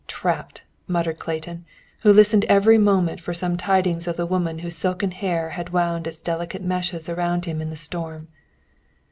"Trapped," muttered Clayton, who listened every moment for some tidings of the woman whose silken hair had wound its delicate meshes around him in the storm.